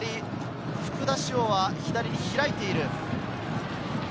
福田師王は左に開いている。